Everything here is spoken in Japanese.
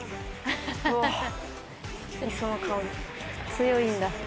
強いんだ。